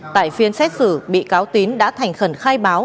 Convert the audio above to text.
tại phiên xét xử bị cáo tín đã thành khẩn khai báo